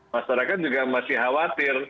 masyarakat juga masih khawatir